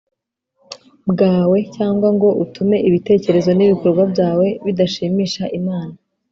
Bwawe cyangwa ngo utume ibitekerezo n ibikorwa byawe bidashimisha imana